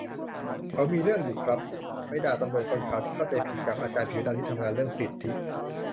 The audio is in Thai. เขามีเรื่องอยู่ครับ ไปด่าตำรวจคนขาวที่เข้าใจผิด จับอาจารย์ผิวดำที่ทำงานเรื่องสิทธิ